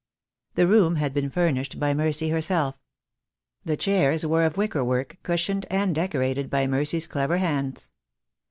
The room had been furnished by Mercy herself. The chairs were of wicker work, cushioned and decorated by Mercy's clever hands.